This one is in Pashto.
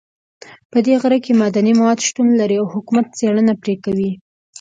په دې غره کې معدني مواد شتون لري او حکومت څېړنه پرې کوي